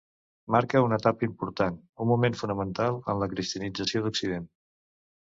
Marca una etapa important, un moment fonamental en la cristianització d'Occident.